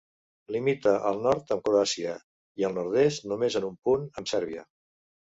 Limita al nord amb Croàcia i al nord-est, només en un punt, amb Sèrbia.